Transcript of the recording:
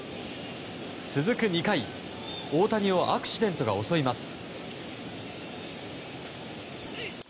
続く２回大谷をアクシデントが襲います。